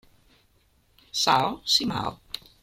São Simão